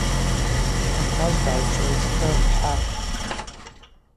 Атажв дгӏазшӏылтитӏ рпхӏа.